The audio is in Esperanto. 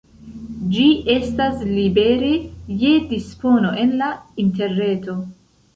Ĝi estas libere je dispono en la interreto.